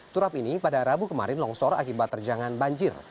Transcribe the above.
turap ini pada rabu kemarin longsor akibat terjangan banjir